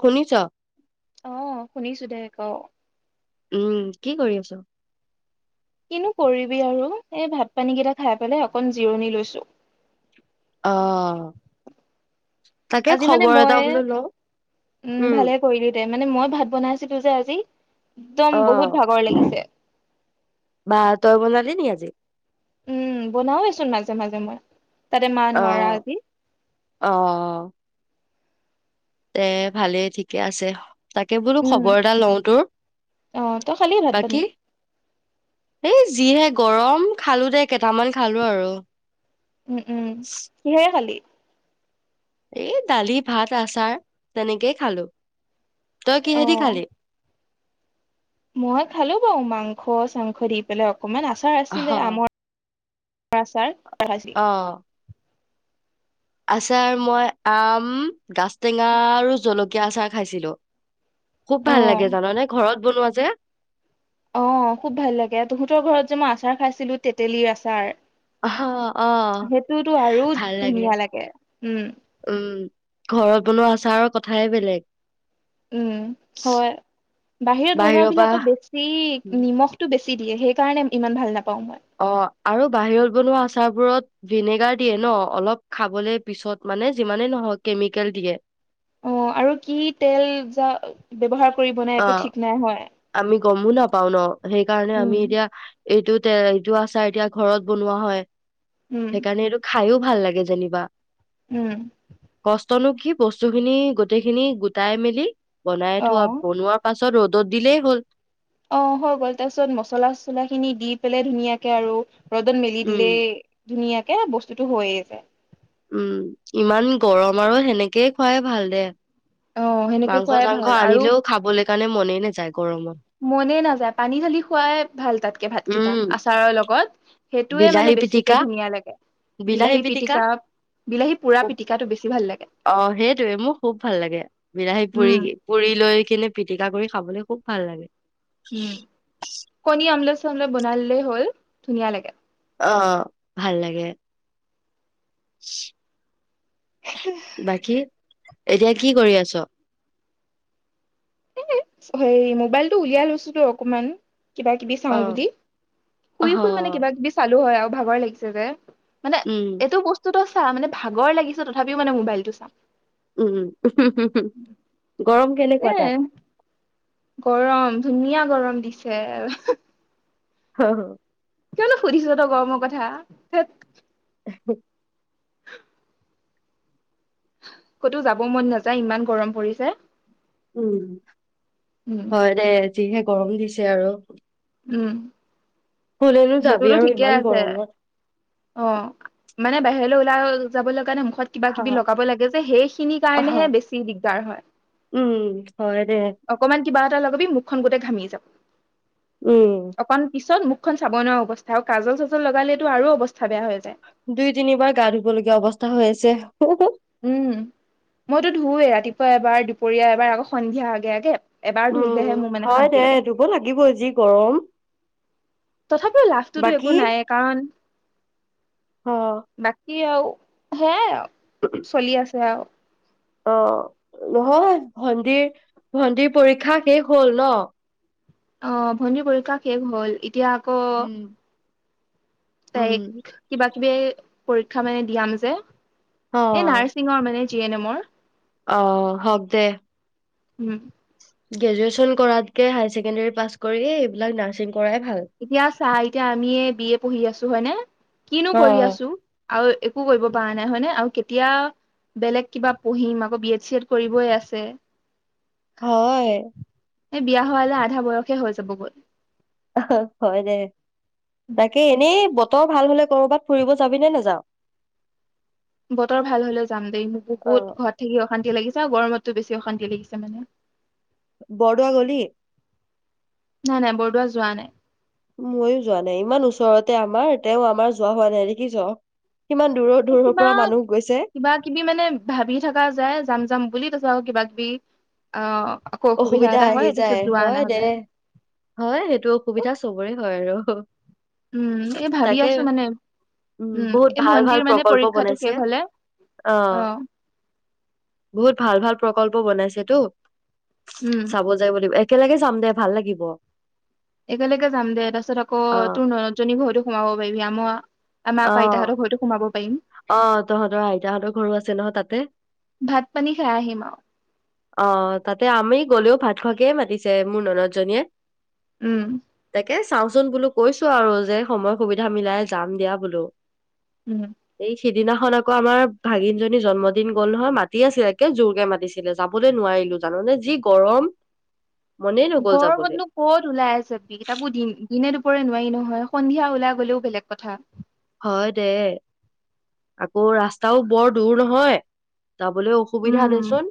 শুনিছা আহ শুনিছো দেক উম কি কৰি আছো কিনো কৰিবি আৰু এই ভাত পানী কেইটা খাই পেলাই অকন জিৰণি লৈছো অ তাকে আজি মানে খবৰ এটা মই বোলো লওঁ। উম ভালে কৰিলো দে মানে মই ভাত বনাইছিলো যে আজি একদম বহুত অ', ভাগৰ লাগিছে বা তই বনালি নি আজি উম বনাওেচোন মাজে মাজে মই তাতে মা নোৱাৰা আহ আজি আহ তে ভালেই ঠিকে আছে তাকে বোলো উম খবৰ এটা লও তোৰ অ তই খালি ভাত পানী বাকী এই যিহে গৰম খালো দে কেইটামান খালো আৰু উম উম কিহেৰে খালি এই দালি ভাত আচাৰ তেনেকেই খালো তই অ কিহেদি খালি মই খালো বাৰু মাংস চাংস দি পেলাই অ অকমান আচাৰ আছিলে অ', আমৰ আচাৰ খাইছিলি অ আচাৰ মই আম গাছ টেঙা আৰু জলকীয়া কেঁচা খাইছিলো খুব অ ভাল লাগে জান নে ঘৰত বনোৱা যে অ খুব ভাল লাগে তহঁতৰ ঘৰত যে মই আচাৰ খাইছিলো তেতেলীৰ আচাৰ অ অ সেইটোতো আৰু ভাল লাগে ধুনীয়া উম উম ঘৰত বনোৱা আচাৰৰ কথাই বেলেগ উম হয় বাহিৰত বাহিৰৰ পৰা বনোৱাবিলাকক বেছি নিমখটো বেছি দিয়ে সেই কাৰণে ইমান ভাল নাপাওঁ মই অ আৰু বাহিৰত বনোৱা আচাৰবোৰত ভিনেগাৰ দিয়ে ন অলপ খাবলৈ পিছত মানে যিমানে নহয় কেমিকেল দিয়ে অ আৰু কি তেল যা ব্যৱহাৰ কৰিব নাই অ একো ঠিক নাই হয় আমি গমো নাপাও ন সেইকাৰণে আমি উম এতিয়া এইটো তেল এইটো আচাৰ এতিয়া ঘৰত বনোৱা হয়। উম সেইকাৰণে এইটো খাইও ভাল লাগে যেনেবা উম নো কি বস্তু খিনি গোটেইখিনি গোটাই মেলি বনাই অ থোৱা বনোৱাৰ পাছত য়ত ৰদত দিলেই হ'ল অ হৈ গ'ল তাৰপিছত মছলা চচলা খিনি দি পেলাই ধুনীয়াকে আৰু ৰদত মেলি উম দিলে ধুনীয়াক এই বস্তুতটো হৈয়ে যায় উম ইমান গৰম আৰু সেনেকেই খুৱাই ভাল দে অ সেনেকে মাংস খোৱাই চাংস ভাল আৰু আনিলেও খাব লাগিব সান মনে ননে যায় মনে নাযায় পানী ঢালি খোৱাই ভাল তাতকে ভাতকেইটা উম, আচাৰৰ লগত সেইটোৱে মানে বিলাহী বেছিকে পিটিকা ধুনীয়া লাগে বিলাহী পিটিকা বিলাহী পুৰা পিটিকাটো বেছি ভাল লাগে অ সেইটোৱে মোৰ খুব ভাল লাগে বিলাহী পুৰি উম পুৰি লৈ কিনে পিটিকা কৰি খাবলৈ খুব ভাল লাগে উম কনি আমলেট অলপ বনালিলেই হ'ল ধুনীয়া লাগে অ ভাল লাগে [unintelligible] বাকী এতিয়া কি কৰি আছ হেই মোবাইল টো উলিয়াই লৈছো তো অকমান কিবা কিবি চাও বুলি অ', শুই হ শুই মানে কিবা কিবি চালো হয় আৰু ভাগৰ লাগিছে যে মানে উম, এইটো বস্তুটো চা মানে ভাগৰ লাগিছ তথাপিও মানে মোবাইলটো চাম উম উ উ উ গৰম এ কেনেকুৱা তাত গৰম ধুনীয়া গৰম দিছে হ হ কিয়নো সুধিছ তই গৰমৰ কথা [inaudible] [unintelligible] ক'তো যাব মন নাযায় ইমান গৰম পৰিছে উম উম হয় দে যিহে গৰম দিছে আৰু উম কলৈনো যাবি সেইটোতো আৰু ঠিকে ইমান আছে গৰমত অ মানে বাহিৰলৈ ওলাই যাবলৈ কাৰণে কিবা হা, কিবি লগাব লাগে যে সেইখিনি আহা, কাৰণেহে বেছি দিগদাৰ হয় উম, হয় দে অকমান কিবা এটা লগাববি মুখখন গোটেই ঘামি যাব উম। অকমান পিছত মোক মুখখন চাব নোৱাৰা অৱস্থা অ আৰু কাজল চাজল লগালেটো আৰু অৱস্থা বেয়া হৈ যায় দুই তিনিবাৰ গা ধুব লগীয়া অৱস্থা হৈ আছে। তয়ে ক উম মইতো ধুৱৱে ৰাতিপুৱা এবাৰ দুপৰীয়া এবাৰ আকৌ সন্ধিয়া আগে আগে। এবাৰ ধুলেহে উম মোৰ মানে হয় শান্তি দে লাগে ধুব লাগিব যি গৰম। তথাপিও লাভটোতো বাকী একো নাইয়ে কাৰণ, অ বাকী আৰু সেয়াই আৰু চলি আছে আৰু অ নহয় ভণ্টিৰ ভণ্টিৰ পৰীক্ষা শেষ হল ন। অ ভণ্টিৰ পৰীক্ষা শেষ হল ইত এতিয়া আকৌ, উম উম তাইক কিবাত বি এ পৰীক্ষা মানে দিয়াম যে, অ এই নাৰ্ছিঙৰ মানেই টি এ নেমৰ অ, হক দে। উম গ্ৰেজুুৱেচন কৰাতকে হাই ছেকেণ্ডৰী পাছ কৰি এইবিলাক নাৰ্ছিং কৰাই ভাল এতিয়া চা এতিয়া আমিয়ে বি এ পঢ়ি আছো হয় নে? কিনো অ কৰি আছো? আৰু একো কৰিব পৰা নাই হয় নে আৰু কেতিয়া বেলেগ কিবা পহিম আকৌ বি এড চি এড কৰিবই আছে। হয় এই বিয়া হোৱালে আধা বয়সে হৈ যাব গৈ। অহ হয় দে তাকে এনেই বত বতৰ ভাল হলে কৰবাত ফুৰিব যাবি নে নেযাওঁ? বতৰ ভাল হলে যাম দেই মোক অ বহুত ঘৰত থাকি অশান্তি লাগিছে চাও গৰমতটো বেছি অশান্তি লাগিছে মানে। বৰদোৱা গলি। নাই নাই বৰদোৱা যোৱা নাই। মইও যোৱা নাই ইমান ওচৰতে আমাৰ তেওঁ আমাৰ যোৱা হোৱা নাই দেখি ছ। এই কিবা কিবা কিবি মানে ভাবি থাকা যায় যাম যাম বুলি তাৰপিছত আকৌ কিবা বি অ, অসুবিধা আহি যায় হয় দে হয় সেইটো অসুবিধা চবৰে হয় আৰু অ উম এই ভাবি তাকে আছো মানে উম বহুত এই ভাল ভাল ভন্টিৰ মানে প্ৰকল্প পৰীক্ষাটো বনাইছে শেষ হলে অ, বহুত ভাল ভাল প্ৰকল্প বনাইছেটো উম চাব যায় একেলগে চাম দে ভাল লাগিব একেলগে যাম দে তাৰপিছত আকৌ তোৰ জনী ঘৰতো সোমাব পাৰিবি আমাৰ অ, আকৌ আইতাহঁতৰ ঘৰতো সোমাব পাৰিম অ, তহঁতৰ আইতাহঁতৰ ঘৰ আছে নহয় তাতে? ভাত পানী খাই আহিম আৰু অ, তাতে আমি গলেও ভাত খুৱাকে মাতিছে মোৰ নৰদ জনীয়ে। উম তাকে চাওঁচোন বোলো কৈছো আৰু যে সময় সুবিধা মিলাই যাম দিয়া। হুলু উম সিদিনাখন আকৌ আমাৰ ভাগিনজনী জন্মদিন গ'ল নহয় মাতি আছিলে একে জোৰকে মাতিছিলে যাবলৈ নোৱাৰিলো জাননে যি গৰম। মনেই নগ'ল যাবলৈ গৰমতনো ক'ত ওলাই যাবি তাকো দিন দিনে দুপ দুপৰে নোৱাৰি নহয় সন্ধিয়া ওলাই গলেও বেলেগ কথা। হয় দে আকৌ ৰাস্তাও বৰ দূৰ নহয়। যাবলৈ অসুবিধা উম দেচোন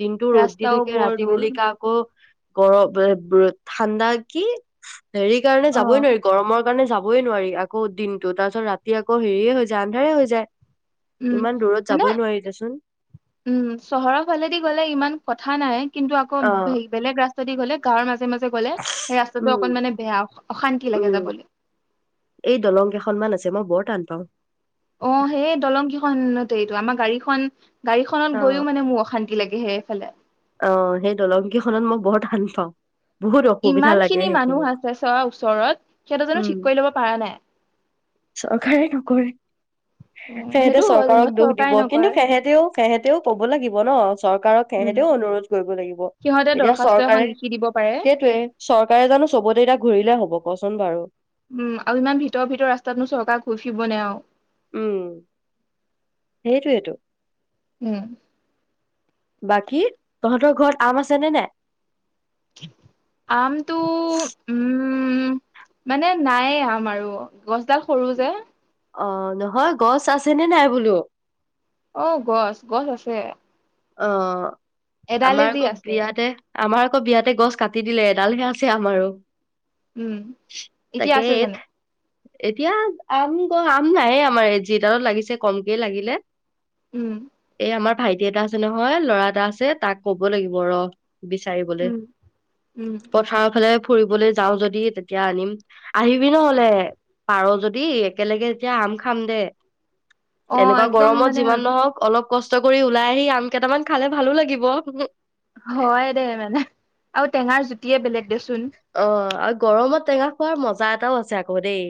দিনটো ৰ'দ দি ৰাস্তাও থাকে বৰ ৰাতি দূৰ বেলিকা আকৌ গৰম ঠাণ্ডা কি হেৰি কাৰণে অ যাবই নোৱাৰি গৰমৰ কাৰণে যাব বই নোৱাৰি আকৌ দিনটো তাত তাৰপিছত ৰাতি আকৌ হেৰিয়ে হৈ যায় আন্ধাৰে হৈ যায় উম ইমান দূৰত মানে যাবই নোৱাৰি দেচোন উম চহৰ ফালেদি গ'লে ইমান কথা নাই কিন্তু আকৌ অ বেলেগ ৰাস গ' গাঁৱৰ মাজে মাজে মাজে গলে সেই ৰাস্তাটো উম অকন মানে বেয়া অশান্তি লাগে উম যাবলৈ যে মই বৰ টান পাওঁ অ সেই দলং কিখন এইটো আমাৰ গাড়ীখন গাড়ীখনত অ গৈয়ো মানে মোৰ অশান্তি লাগেহে ভালে অ সেই দলং কেইখনত মই বৰ টান পাওঁ বহুত অসুবিধা ইমান লাগে খিনি সেইখিনি মানুহ আছে চোৱা ওচৰত সিহঁতে জনো উম। ঠিক কৰি লব পাৰা নাই চৰকাৰে নকৰে উম, সেহেঁতে সেইটো হয় যেনিবা চৰকাৰক দোষ চৰকাৰে দিব কিন্তু নকৰে সেহেঁতেও সিহঁতেও ক'ব লাগিব ন চৰকাৰক উম, অনুৰোধ কৰিব লাগিব সিহঁতে এতিয়া দৰ্খাস্ত এখন চৰকাৰে লিখি দিব পাৰে। সেইটোৱে চৰকাৰে জানো চবতে এতিয়া ঘূৰিলে হ'ব কচোন বাৰু উম আৰু ইমান ভিতৰ ভিতৰ ৰাস্তাত নো চৰকাৰ ঘুই ফিব নে আৰু উম সেইটোৱেটো উম বাকী তহঁতৰ ঘৰত আম আছেনে নাই? আমটো উম মানে নায়েই আম আৰু গছডাল সৰু যে অ নহয় গছ আছেনে নাই বোলো অ গছ গছ আছে অ এডালে আমাৰ যি আকৌ আছে বিয়াতে আমাৰ আকৌ বিয়াতে গছ কাটি দিলে এডালহে আছে আমাৰো উম এতিয়া তাকে আছে এই জানো এতিয়া আম ক আম নায়েই আমাৰ যি ডালত লাগিছে কমকেই লাগিলে উম এই আমাৰ ভাইটি এটা আছে নহয় ল'ৰা এটা আছে তাক ক'ব লাগিব ৰ বিচাৰিবলৈ উম উম পথাৰৰ ফালে ফুৰিবলৈ যাও যদি তেতিয়া আনিম আহিবি নহলে পাৰ যদি একেলগে তেতিয়া আম খাম দে অ এনেকুৱা একদম গৰমত মানে যিমান নহওক অলপ কষ্ট কৰি ওলাই আহি আম কেইটামান খালে ভালো লাগিব হয় দে মানে আৰু টেঙাৰ জু [unintelligible] জুতিয়েই বেলেগ অ গৰমত টেঙা খোৱাৰ মজা এটাও আছে আকৌ দেই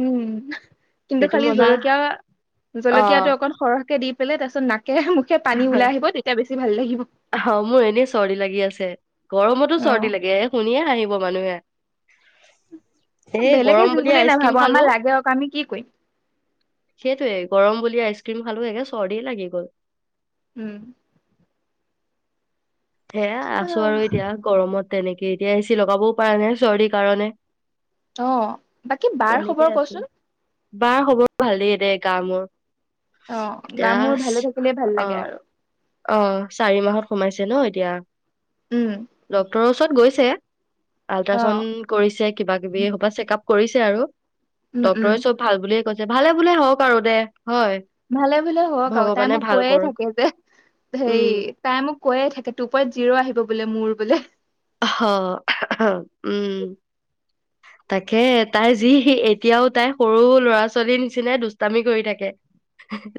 উম কিন্তু সেইটো খালি মজা জলকীয়া অ জলকীয়া টো অকণ সৰহকে দি [unintelligible] মুখে পানী ওলাই আহিব তেতিয়া বেছি ভাল লাগিব অ মোৰ এনেই চৰ্দি লাগি আছে গৰমতো অ চৰ্দি লাগে এ শুনিয়ে হাঁহিব মানুহে [inaudible] এই বেলেগে গৰম যি বুলি আইচক্ৰীম নাভাবো আমাৰ খালো লাগে অক আমি কি কৰিম সেইটোয়ে গৰম বুলি আইচক্ৰীম খালো [unintelligible] চৰদি লাগি গ'ল উম হে আছো আৰু এতিয়া গৰমত তেনেকে এতিয়া এ চি লগাবও পাৰা নাই চৰ্দি কাৰণে অ বাকী বাৰ এনেকে খবৰ আছো কচোন বাৰ খবৰ ভালেই দে গা মূৰ অ গা মূৰ ভালে থাকিলেই ভাল অ লাগে আৰু অ চাৰি মাহত সোমাইছে ন এতিয়া উম ডক্তৰৰ ওচৰত গৈছে অ আল্ট্ৰাচাউড কৰিছে কিবা কিবি এহোপা চেক আপ কৈছে আৰু উম উম ডক্টৰে চব ভাল বুলিয়ে ভালে বোলে হওক আৰু দে হয় ভালে ভালে হওক আৰু তাই ভগৱানে মোক ভাল কৈয়ে কৰক থাকে যে উম হেৰি তাই মোক কৈয়ে থাকে টু পইণ্ট জিৰ' আহিব বোলে মোৰ বোলে অ উম তাকে তাই যি এতিয়াও তাই সৰু ল'ৰা ছোৱালীৰ নিচিনাই দুষ্টামি কৰি থাকে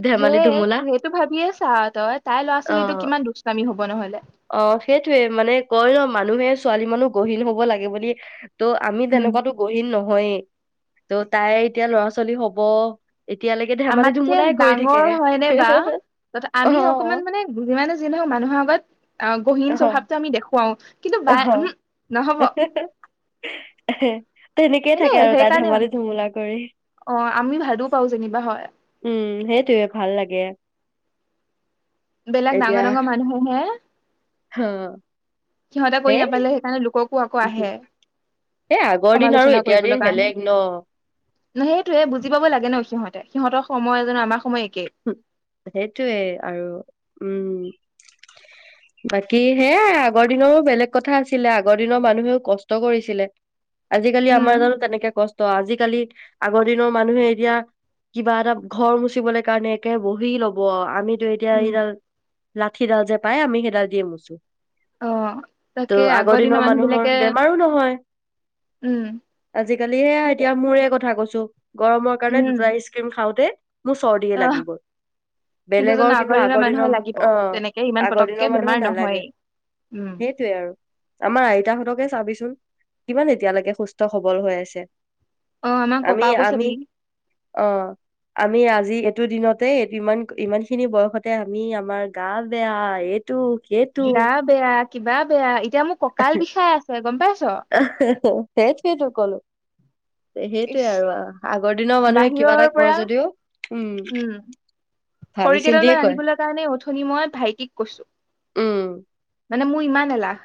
ধেমালি সেইয়ে ধুমুলা সেইটো ভাবিয়ে ছা তই তাইৰ ল'ৰা অ ছোৱালীটো কিমান দুষ্টামী হব নহলে অ সেইটোয়ে মানে কয় ন মানুহে ছোৱালী মানুহ গহীন হব লাগে বুলি ত' আমি উম তেনেকুৱাতো গহীন নহয় হৈয়ে ত' তাই এতিয়া ল'ৰা ছোৱালী হব এতিয়ালৈকে ধেমালি আমাতকে ধুমুলাই কৰি থাকে ডাঙৰ হয়নৰে বা ত অ আমি অকমান মানে যিমানে যি নহওক মানুহৰ আগত আহ গহীন অ স্বভাৱটো আমি দেখুৱাও কিন্তু বা অহ উম নহব তেনেকে এনে থাকে আৰু তাত সেইকাৰণে ধেমালি ধুমলাক কৰে অ আমি ভালো পাওঁ যেনিবা হয় উম সেইটোয়ে ভাল লাগে বেলেগ ডাঙৰ ডাঙৰ মানুহে হে হা সিহঁতে কৰি নাপালে সেইকাৰণে লোকক পুৱা আকৌ আহে এ আগৰ দিন আৰু সমালোচনা এতিয়াৰ দিন কৰিবলৈ কাৰণে বেলেগ ন সেইটোয়ে বুজি পাব লাগে ন সিহঁত সিহঁতৰ সময় জানো আমাৰ সময় একেই সেইটোৱে আৰু উম বাকী সেয়া আগৰ দিনৰো বেলেগ কথা আছিলে আগৰ দিনৰ মানুহেও কষ্ট কৰিছিলে আজিকালি আমাৰ উম জানো তেনেকে কষ্ট আজিকালি আগৰ দিনৰ মানুহে এতিয়া কিবা এটা ঘৰ মুচিবলে কাৰণে একে বহি লব আমি টো এতিয়া উম এইডাল লাঠিডাল যে পায় আমি সেইডাল দিয়ে মুচো অ তাকে টো' আগৰ দিনৰ মানুহ বিলাকে মানুহৰ বেমাৰো নহয় উম আজিকালিহে সেইটোৱে এতিয়া মৰে কথা কৈছো [unintelligible] গৰমৰ কাৰণে উম দুটা আইচ ক্ৰীম খাওতে চৰ্দিহে আহ লাগি গ'ল বেলেগৰ জানো কিন্তু আগৰ মানুহৰ দিনৰ লাগিব অ তেনেকে ইমান আগৰ পতককে দিনৰ মানুহৰ বেমাৰ নালাগে নহয়েই উম সেইটোয়ে আৰু আমাৰ আইতাহঁতকে চাবিচোন কিমান এতিয়ালৈকে সুস্থ সবল হৈ আছে অ আমাৰ আমি ককাকো আমি চাবি অ আমি আ আজি এইটো দিনতে এইটো ইমান ইমান খিনি বয়সতে আমি আমাৰ গা বেয়া এইত এইটো সেইটো গা বেয়া কিবা বেয়া এতিয়া মোৰ কঁকাল বিষাই আছে গম পাই সেই কি তোৰ কলো সেইটোৱে ইচ আৰু আগৰ দিনৰ মানুহে কিবা বাহিৰৰ এটা কয় পৰা যদিও উম খৰি ভাবি চিন্তিয়ে কেইডালমান কয় আনিবলৈ কাৰণে অথনি মই ভাইটিক কৈছো উম মানে মোৰ ইমান এলাহ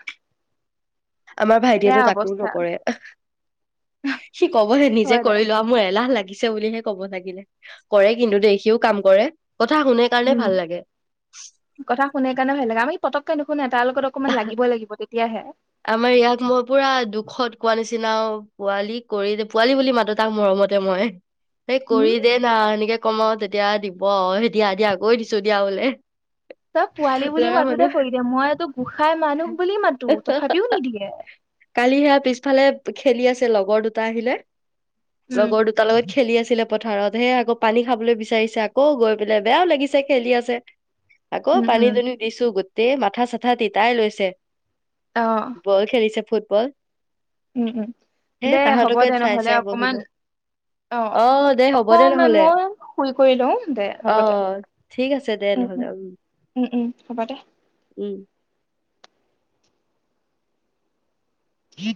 আমাৰ এয়া ভাইটিয়েতটো তাকো অৱস্থা নকৰে সি কবহে নিজে হয় দে কৰি লোৱা মোৰ এলাহ লাগে লাগিছে বুলিহে ক'ব লাগিলে কৰে কিন্তু দেখিও কাম কৰে কথা শুনে কাৰণে উম ভাল লাগে পতকৈ নুশুনে তাৰ লগত অকমান লাগিবই লাগিব তেতিয়াহে আমাৰ ইয়াক মই পুৰা দুখত কোৱা নিচিনাও পোৱালি কৰি যে পোৱালি বুলি মাতো তাক মৰমতে মই এই উম কৰি দে না এনেকে কমও তেতিয়া দিব সে দিয়া দিয়া আকৌ দিছো দিয়া বোলে তব পোৱালি বুলি ল'ৰা মাটোতে মানুহ কৰি দে মইতো খাই মানুহ বুলি মাতো তথাপিও নিদিয়ে সি সেয়া পিছফালে খেলি আছে লগৰ দুটা আহিলে উম লগৰ দুটাৰ লগত খেলি আছিলে পথাৰত হে আকৌ পানী খাবলৈ বিচাৰিছে আকৌ গৈ পেলাই বেয়াও লাগিছে খেলি আছে আকৌ উম পানি উম দুনি দিছো গ তে মথাা চথাাাত তাই লৈছে অ বল খেলিছে ফু‌‌তিত বল উম উম দে হ'ব দে চাই নহলে চাই অকমান বহিলো অ দে হ'ব দে অকমান নহ'লে মই ফুল কৰি লওঁ দে অ হ'ব দে ঠিক আছে দে উম নহ'লে উম উম উম হ'ব দে উম উ